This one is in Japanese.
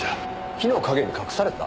木の陰に隠された？